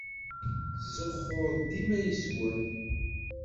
Ttzuxxuɣ dima yes-wen.